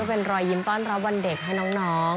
เป็นรอยยิ้มต้อนรับวันเด็กให้น้อง